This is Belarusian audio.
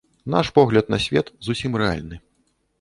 Наш погляд на свет зусім рэальны.